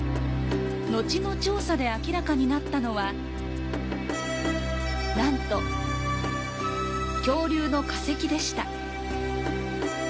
のちの調査で明らかになったのは、なんと恐竜の化石でした。